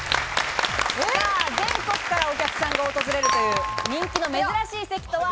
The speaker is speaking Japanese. さぁ全国からお客さんが訪れるという人気の珍しい席とは？